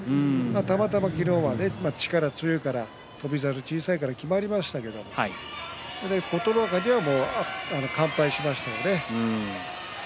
たまたま昨日は力が強いから、翔猿が小さいからきまりましたけれども琴ノ若には完敗しましたね。